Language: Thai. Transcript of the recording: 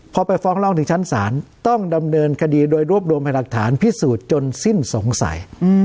พอไปฟ้องร้องถึงชั้นศาลต้องดำเนินคดีโดยรวบรวมให้หลักฐานพิสูจน์จนสิ้นสงสัย